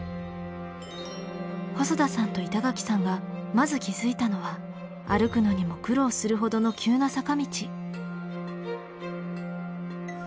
細田さんと板垣さんがまず気付いたのは歩くのにも苦労するほどの急な坂道。